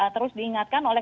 terus diingatkan oleh